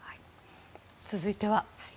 続いては。